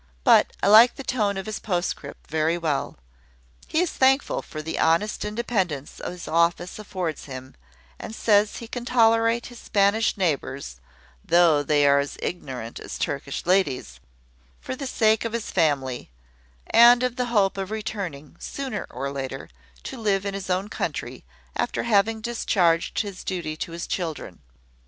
But I like the tone of his postscript very well. He is thankful for the honest independence his office affords him, and says he can tolerate his Spanish neighbours (though they are as ignorant as Turkish ladies), for the sake of his family, and of the hope of returning, sooner or later, to live in his own country, after having discharged his duty to his children.